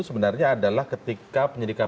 sebenarnya adalah ketika penyidikan